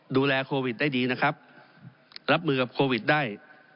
ดูแลโควิดได้ดีนะครับรับมือกับโควิดได้